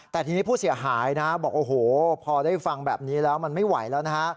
แต่ทีนี้ผู้เสียหายนะบอกโอ้โหพอได้ฟังแบบนี้แล้วมันไม่ไหวแล้วนะฮะ